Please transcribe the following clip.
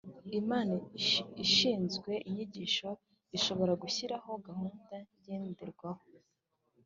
Inama ishinzwe inyigisho ishobora gushyiraho gahunda ngenderwaho